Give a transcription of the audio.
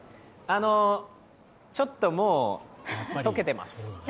ちょっともう解けてます。